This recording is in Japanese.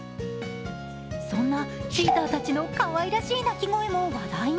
そんなチーターたちのかわいらしい鳴き声も話題に。